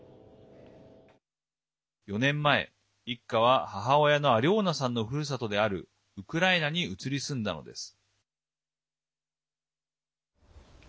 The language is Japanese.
４年前、一家は母親のアリョーナさんのふるさとであるウクライナに移り住んだのです。